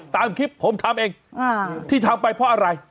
ตามคลิปผมทำเองที่ทำไปเพราะอะไร